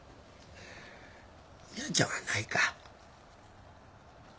美羽ちゃんはないか。